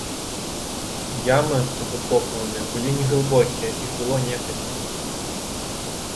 Ямы павыкопваны былі неглыбокія, іх было некалькі.